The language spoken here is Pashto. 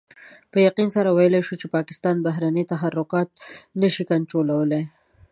په يقين سره ويلای شو چې پاکستان بهرني تحرکات نشي کنټرولولای.